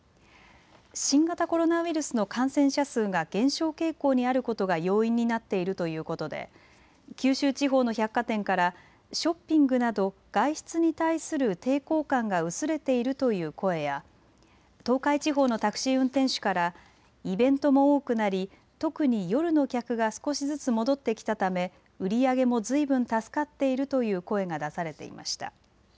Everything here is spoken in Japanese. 新型コロナウイルスの感染者数が減少傾向にあることが要因になっているということで九州地方の百貨店からショッピングなど外出に対する抵抗感が薄れているという声や東海地方のタクシー運転手からイベントも多くなり特に夜の客が少しずつ戻ってきたため売り上げもずいぶん助かっているという声が出されていました。